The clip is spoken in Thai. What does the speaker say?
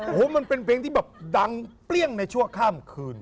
โอ้โหมันเป็นเพลงที่แบบดังเปรี้ยงในชั่วข้ามคืน